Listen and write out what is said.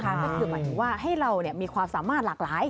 ก็คือหมายถึงว่าให้เรามีความสามารถหลากหลาย